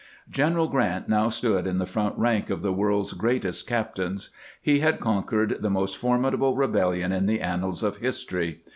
General G rant now stood in the front rank of the world's greatest captains. He had conquered the most formidable rebellion in the annals of history.